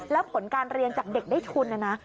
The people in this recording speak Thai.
แล้วผลการเรียนจากเด็กได้ทุนนะนะ